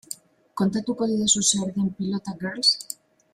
Kontatuko didazu zer den Pilota Girls?